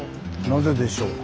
なぜでしょうか。